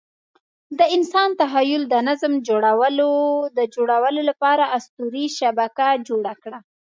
د انسان تخیل د نظم د جوړولو لپاره اسطوري شبکه جوړه کړه.